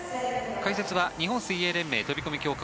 解説は日本水泳連盟飛込強化